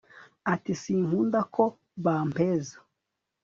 Ati Sinkunda ko bampeza